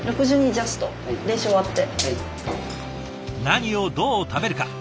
何をどう食べるか。